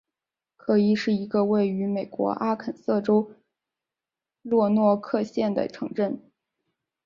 科伊是一个位于美国阿肯色州洛诺克县的城镇。